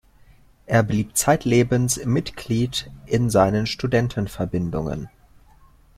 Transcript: Er blieb zeitlebens Mitglied in seinen Studentenverbindungen.